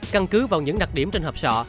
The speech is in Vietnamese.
căn cứ vào những đặc điểm trên hợp sọ